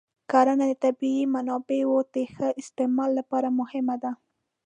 کرنه د طبیعي منابعو د ښه استعمال لپاره مهمه ده.